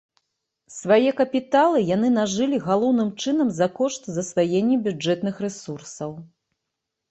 Свае капіталы яны нажылі галоўным чынам за кошт засваення бюджэтных рэсурсаў.